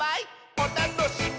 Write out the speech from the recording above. おたのしみ！」